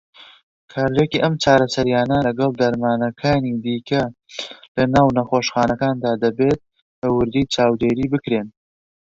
کارلێکی ئەم چارەسەریانە لەگەڵ دەرمانەکانی دیکه لەناو نەخۆشەکاندا دەبێت بە وردی چاودێری بکرێن.